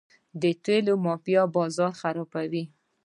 د تیلو مافیا بازار خرابوي.